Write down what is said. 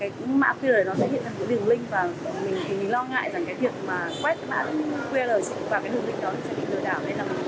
và mình thì lo ngại rằng cái việc mà quét cái mã qr và cái điều link đó sẽ bị lừa đảo nên là mình không làm